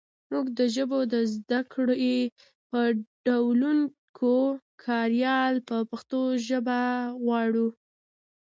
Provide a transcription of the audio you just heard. مونږ د ژبو د زده کړې په ډولونګو کاریال کې پښتو ژبه غواړو